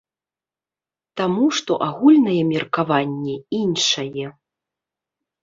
Таму што агульнае меркаванне іншае.